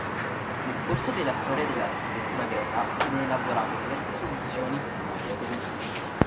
Nel corso della storia dell'architettura greca furono elaborate diverse soluzioni a questo conflitto.